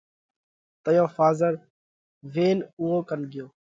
تئيون ڦازر وينَ اُوئون ڪنَ ڳيو۔